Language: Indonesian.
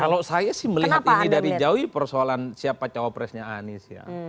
kalau saya sih melihat ini dari jauhi persoalan siapa cawapresnya anies ya